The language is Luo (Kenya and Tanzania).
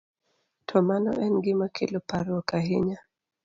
to mano en gima kelo parruok ahinya.